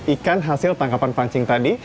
ikan hasil tangkapan pancing tadi